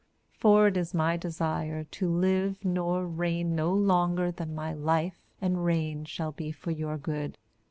For it is my desire to live nor reign no longer than my life and reign shall be for your good.